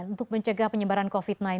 untuk mencegah penyebaran covid sembilan belas